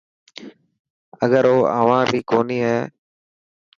اگر او اوهان ري ڪوني هي.